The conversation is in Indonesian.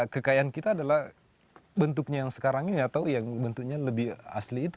kekayaan kita adalah bentuknya yang sekarang ini atau yang bentuknya lebih asli itu